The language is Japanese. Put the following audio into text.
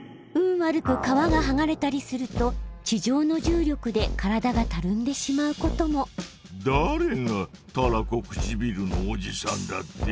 悪く皮がはがれたりすると地上の重力でからだがたるんでしまうこともだれがたらこくちびるのおじさんだって？